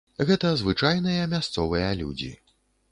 Гэта звычайныя мясцовыя людзі.